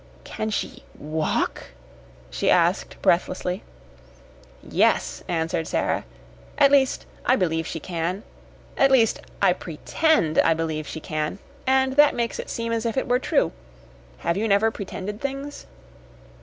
"Can she walk?" she asked breathlessly. "Yes," answered Sara. "At least I believe she can. At least I PRETEND I believe she can. And that makes it seem as if it were true. Have you never pretended things?"